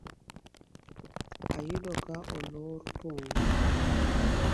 Ayudo ka olor pong